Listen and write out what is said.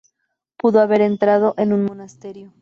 Pudo haber entrado en un monasterio.